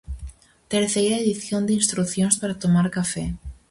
Terceira edición de "Instrucións para tomar café".